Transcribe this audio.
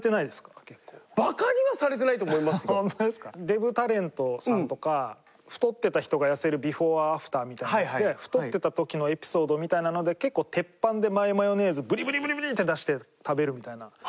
デブタレントさんとか太ってた人が痩せるビフォーアフターみたいなやつで太ってた時のエピソードみたいなので結構鉄板でマイマヨネーズぶりぶりぶりぶり！って出して食べるみたいな。